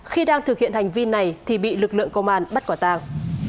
khi đang thực hiện hành vi này thì bị lực lượng công an bắt quả tàng